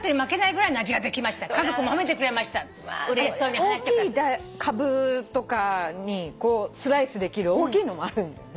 大きいカブとかにスライスできる大きいのもあるんだよね。